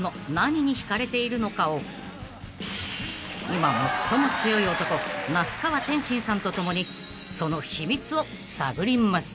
［今最も強い男那須川天心さんと共にその秘密を探ります］